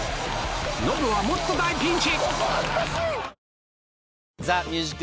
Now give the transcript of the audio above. ノブはもっと大ピンチ！